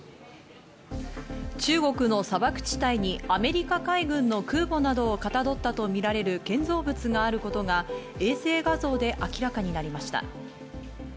中国の砂漠地帯にアメリカ海軍の空母などをかたどったとみられる建造物があることが衛星画像で明らかになりました。